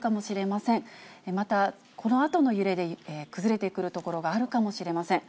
また、このあとの揺れで崩れてくる所があるかもしれません。